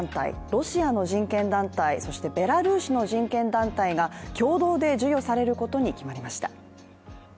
ロシアの人権団体、そしてベラルーシの人権団体が共同で授与されることに決まりました。